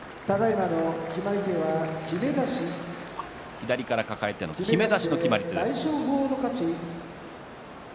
左から抱えてのきめ出しの決まり手です。